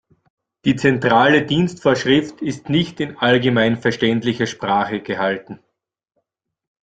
Die Zentrale Dienstvorschrift ist nicht in allgemeinverständlicher Sprache gehalten.